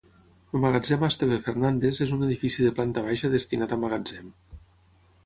El Magatzem Esteve Fernández és un edifici de planta baixa destinat a magatzem.